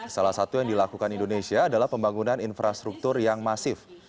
salah satu yang dilakukan indonesia adalah pembangunan infrastruktur yang masif